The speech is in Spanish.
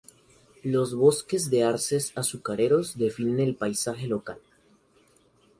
Los bosques de arces azucareros definen el paisaje local.